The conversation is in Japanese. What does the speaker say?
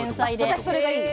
私それがいい。